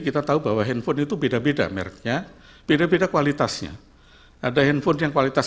kita tahu bahwa handphone itu beda beda merknya beda beda kualitasnya ada handphone yang kualitas